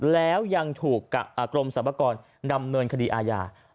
แล้วยังถูกกรมสรรพากรดำเนินคดีอาญา